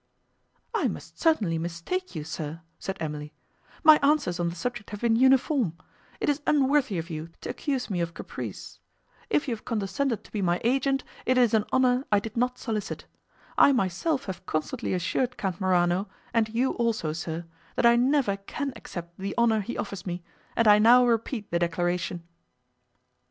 "I must certainly mistake you, sir," said Emily; "my answers on the subject have been uniform; it is unworthy of you to accuse me of caprice. If you have condescended to be my agent, it is an honour I did not solicit. I myself have constantly assured Count Morano, and you also, sir, that I never can accept the honour he offers me, and I now repeat the declaration."